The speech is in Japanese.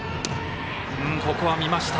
ここは見ました。